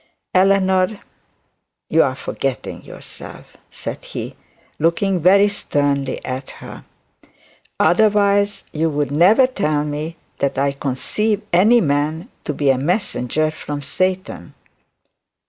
'Eleanor, you are forgetting yourself,' said he, looking very sternly at her. 'Otherwise you would never tell me that I conceive any man to be a messenger from Satan.'